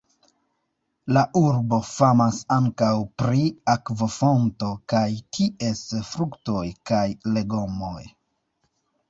La urbo famas ankaŭ pri akvofonto kaj ties fruktoj kaj legomoj.